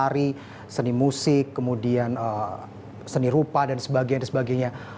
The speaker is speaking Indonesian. tari seni musik kemudian seni rupa dan sebagainya